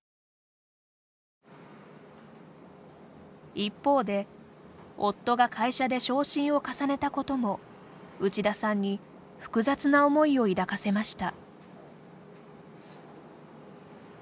一方で夫が会社で昇進を重ねたことも内田さんに複雑な思いを抱かせました。